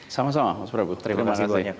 sama sama mas brabu terima kasih banyak